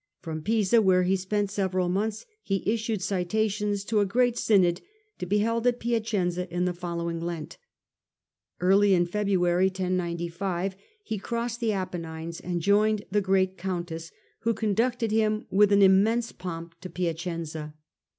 From Pisa, where he spent several months, he Synod at issued citatious to a great synod to be held ^ mcenza, ^^ Piaceuza in the following Lent. Early in February he crossed the Apennines and joined the great countess, who conducted him with immense pomp to Piacenza.